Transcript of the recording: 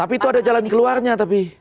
tapi itu ada jalan keluarnya tapi